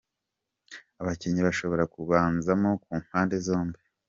Abakinnyi bashobora Kubanzamo ku mpande zombi:.